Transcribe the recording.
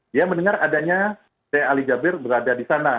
dia mendengar adanya sheikh ali jabir berada di sana